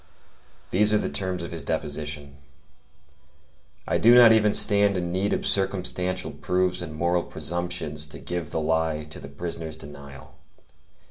These are the terms of his deposition: 'I do not even stand in need of circumstantial proofs and moral presumptions to give the lie to the prisoner's denial.